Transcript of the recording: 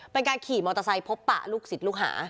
เป็นการขี่มอเตอร์ไซค์พบปะลูกศิษย์ลูกหา